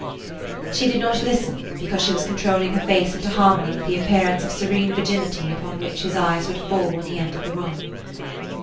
She did not listen, because she was controlling her face into harmony with the appearance of serene virginity upon which his eyes would fall when he entered the room.